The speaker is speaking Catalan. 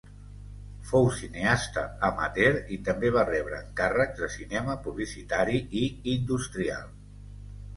Fou cineasta amateur i també va rebre encàrrecs de cinema publicitari i industrial.